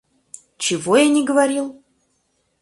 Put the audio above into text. Чего я не говорил?